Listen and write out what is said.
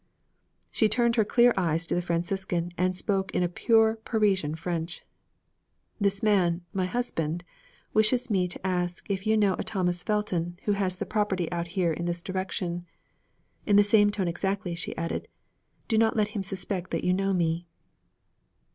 She turned her clear eyes to the Franciscan and spoke in a pure Parisian French. 'This man, my husband, wishes me to ask if you know a Thomas Felton who has property out here in this direction.' In the same tone exactly, she added, 'Do not let him suspect that you know me.'